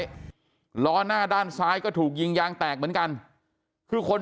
ล้อหน้าด้านซ้ายก็ถูกยิงยางแตกเหมือนกันคือคน